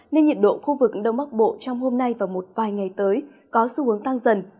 nên nhiệt độ khu vực đông bắc bộ trong hôm nay và một vài ngày tới có xu hướng tăng dần